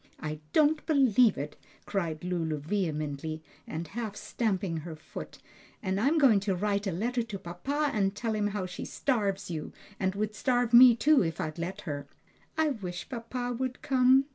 "I don't believe it!" cried Lulu vehemently, and half stamping her foot, "and I'm going to write a letter to papa and tell him how she starves you, and would starve me too if I'd let her!" "I wish papa would come!"